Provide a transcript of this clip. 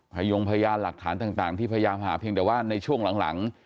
ยงพยานหลักฐานต่างที่พยายามหาเพียงแต่ว่าในช่วงหลัง